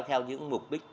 theo những mục đích